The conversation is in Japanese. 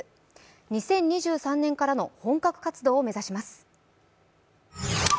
２０２３年からの本格活動を目指します。